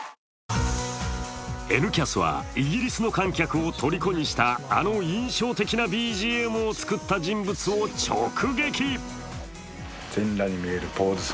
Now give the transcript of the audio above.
「Ｎキャス」はイギリスの観客をとりこにしたあの印象的なＢＧＭを作った人物を直撃。